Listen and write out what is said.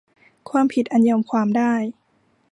ความผิดอันยอมความได้